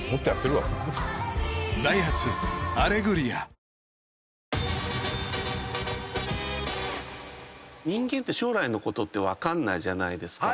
「氷結」人間って将来のことって分かんないじゃないですか。